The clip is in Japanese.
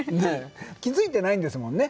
気付いてないんですもんね。